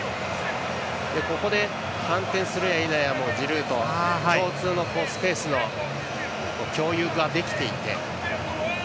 ここで反転するやいなやジルーと共通のスペースの共有ができていて。